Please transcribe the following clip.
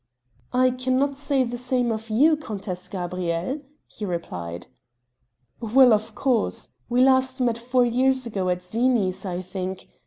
"I cannot say the same of you, Countess Gabrielle," he replied. "Well, of course. We last met four years ago at Zini's I think